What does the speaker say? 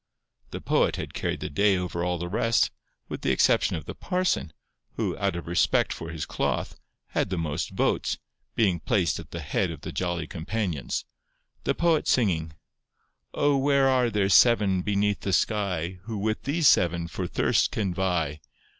The poet had carried the day over all the rest, with the exception of the parson, who, out of respect for his cloth, had the most votes, being placed at the head of the jolly companions, the poet singing:— 'O where are there seven beneath the sky Who with these seven for thirst can vie?